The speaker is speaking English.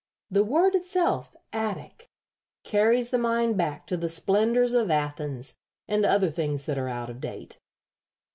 The word itself, attic, carries the mind back to the splendors of Athens and other things that are out of date.